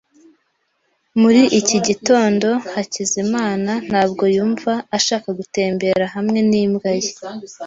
Muri iki gitondo, Hakizimana ntabwo yumva ashaka gutembera hamwe n'imbwa ye.